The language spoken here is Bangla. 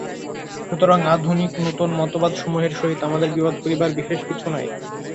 সুতরাং আধুনিক নূতন মতবাদসমূহের সহিত আমাদের বিবাদ করিবার বিশেষ কিছু নাই।